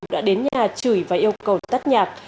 đã đến nhà chửi và yêu cầu tắt nhạc